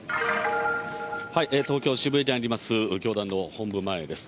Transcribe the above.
東京・渋谷にあります教団の本部前です。